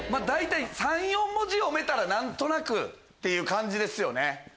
大体３４文字読めたら何となくっていう感じですよね。